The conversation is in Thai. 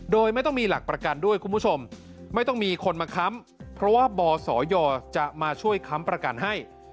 โดยไม่ต้องมีหลักประกันด้วยคุณผู้ชมไม่ต้องมีคนมาค้ำเพราะว่าบศยจะมาช่วยค้ำประกันให้